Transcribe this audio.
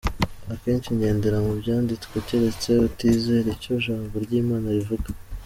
Akenshi ngendera mu byanditswe keretse utizera icyo ijambo ry’Imana rivuga.